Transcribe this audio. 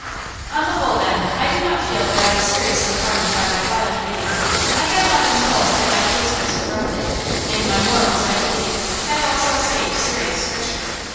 On the whole, then, I do not feel that I was seriously harmed by my wild reading. I have not been told that my taste was corrupted, and my morals, I believe, have also escaped serious stricture.